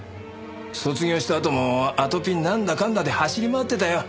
卒業したあともあとぴんなんだかんだで走り回ってたよ。